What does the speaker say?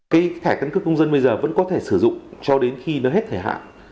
cái thẻ căn cước công dân bây giờ vẫn có thể sử dụng cho đến khi nó hết thời hạn